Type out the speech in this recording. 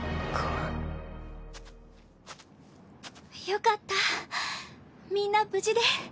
よかったみんな無事で。